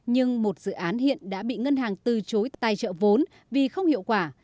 nhưng một dự án hiện đã bị ngân hàng từ chối tài trợ vốn vì không hiệu quả